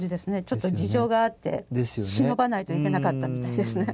ちょっと事情があって忍ばないといけなかったみたいですね。